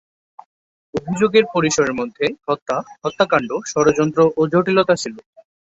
অভিযোগের পরিসরের মধ্যে হত্যা, হত্যাকাণ্ড, ষড়যন্ত্র, ও জটিলতা ছিল।